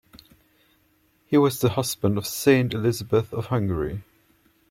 He was the husband of Saint Elizabeth of Hungary.